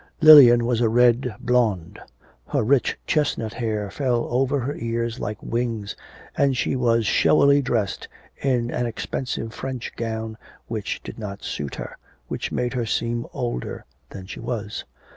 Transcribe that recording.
Lilian was a red blonde; her rich chestnut hair fell over her ears like wings, and she was showily dressed in an expensive French gown which did not suit her, which made her seem older than she was.